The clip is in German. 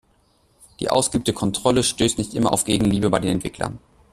Die ausgeübte Kontrolle stößt nicht immer auf Gegenliebe bei den Entwicklern.